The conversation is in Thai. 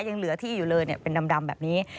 ยังเหลือที่อยู่เลยเป็นดำแบบนี้